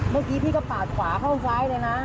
เมื่อกี้พี่ก็ปาดขวาเข้าซ้ายเลยนะ